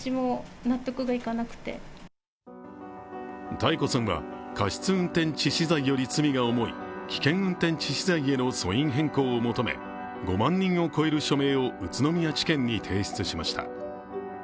多恵子さんは過失運転致死罪より罪が重い危険運転致死罪への訴因変更を求め、５万人を超える署名を宇都宮地検に提出しました。